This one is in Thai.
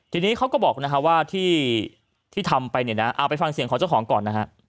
ทีนี้เขาก็บอกว่าที่ทำไปเอาไปฟังเสียงของเจ้าของก่อน